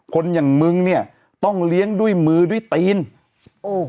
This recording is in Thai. คนอย่างมึงเนี่ยต้องเลี้ยงด้วยมือด้วยตีนโอ้